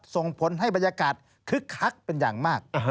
ส่งผลให้บรรยากาศคึกคักเป็นอย่างมาก